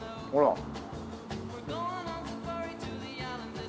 ほら。